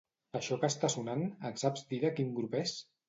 Això que està sonant em saps dir de quin grup és?